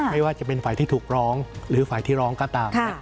ไม่ว่าจะเป็นฝ่ายที่ถูกร้องหรือฝ่ายที่ร้องก็ตาม